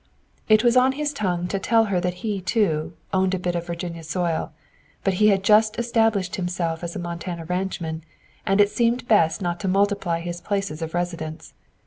It was on his tongue to tell her that he, too, owned a bit of Virginia soil, but he had just established himself as a Montana ranchman, and it seemed best not to multiply his places of residence.